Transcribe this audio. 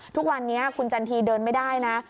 ทุกวันนี้คุณจันทีเดินไม่ได้นะ